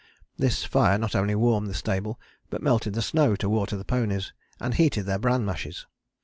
This fire not only warmed the stable, but melted the snow to water the ponies and heated their bran mashes.